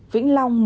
một vĩnh long